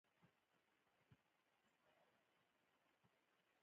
په افغانستان کې کندهار د خلکو د اعتقاداتو سره تړاو لري.